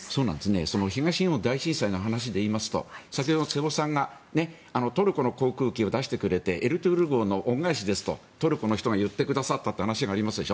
その東日本大震災の話で言いますと先ほど瀬尾さんがトルコの航空機を出してくれて「エルトゥールル号」の恩返しですとトルコの人が言ってくださったという話がありますでしょ。